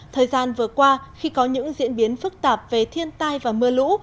thời gian vừa qua khi có những diễn biến phức tạp về thiên tai và mưa lũ